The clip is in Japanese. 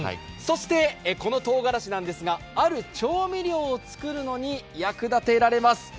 そしてこのとうがらしなんですがある調味料を作るのに役立てられます。